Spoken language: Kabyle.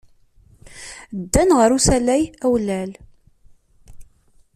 Ddan ɣer usalay awlal.